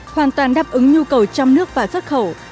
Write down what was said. hoàn toàn đáp ứng nhu cầu trong nước và xuất khẩu